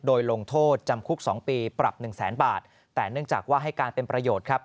โดยลงโทษจำคุก๒ปีปรับหนึ่งแสนบาทแต่เนื่องจากว่าให้การเป็นประโยชน์ครับ